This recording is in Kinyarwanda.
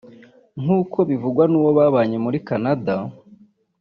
nk’uko bivugwa n’uwo babanye muri Canada